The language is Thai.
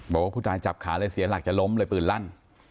บอกว่าผู้ตายจับขาเลยเสียหลักจะล้มเลยปืนลั่น